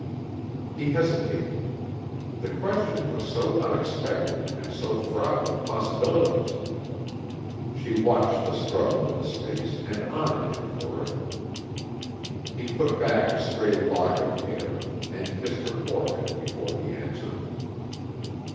He hesitated. The question was so unexpected, and so fraught with possibilities. She watched the struggle in his face and honored him for it. He put back a stray lock of hair and kissed her forehead before he answered.